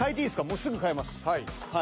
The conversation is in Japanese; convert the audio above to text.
もうすぐ変えます。